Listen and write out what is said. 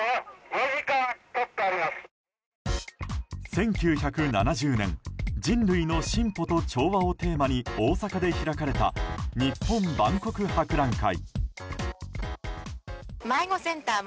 １９７０年「人類の進歩と調和」をテーマに大阪で開かれた日本万国博覧会。